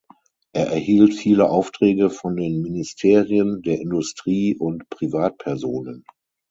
Er erhielt viele Aufträge von den Ministerien, der Industrie und Privatpersonen.